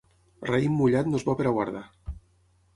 Raïm mullat no és bo per guardar.